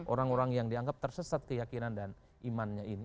orang orang yang dianggap tersesat keyakinan dan imannya ini